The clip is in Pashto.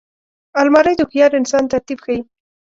الماري د هوښیار انسان ترتیب ښيي